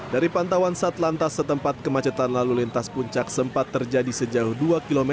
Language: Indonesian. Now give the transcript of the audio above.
dari pantauan satlantas setempat kemacetan lalu lintas puncak sempat terjadi sejauh dua km